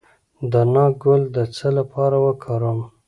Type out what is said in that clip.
د ناک ګل د څه لپاره وکاروم؟